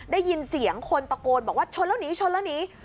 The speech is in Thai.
ได้ยินเสียงคนตะโกนบอกว่าชนแล้วหนีชนแล้วหนี